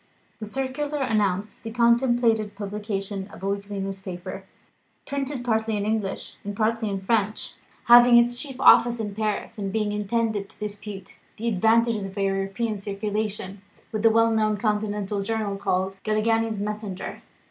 The circular announced the contemplated publication of a weekly newspaper, printed partly in English, and partly in French, having its chief office in Paris, and being intended to dispute the advantages of a European circulation with the well known Continental journal called "Galignani's Messenger."